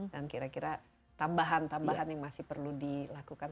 dan kira kira tambahan tambahan yang masih perlu dilakukan